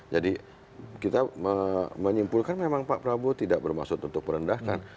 jadi kita menyimpulkan memang pak prabowo tidak bermaksud untuk merendahkan